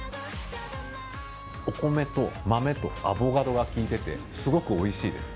お米と豆とアボカドが効いていてすごくおいしいです。